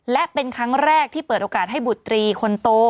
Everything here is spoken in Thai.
และเป็นครั้งแรกที่เปิดโอกาสให้บุตรีคนโต